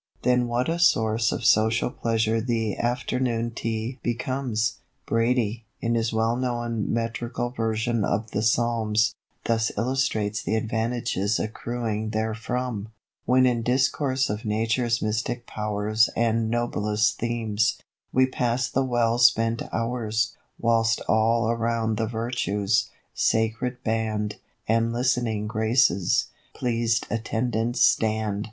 Then what a source of social pleasure the "afternoon Tea" becomes! Brady, in his well known metrical version of the "Psalms," thus illustrates the advantages accruing therefrom: "When in discourse of Nature's mystic powers And noblest themes, we pass the well spent hours, Whilst all around the Virtues sacred band And listening Graces, pleased attendants stand.